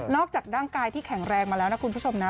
จากร่างกายที่แข็งแรงมาแล้วนะคุณผู้ชมนะ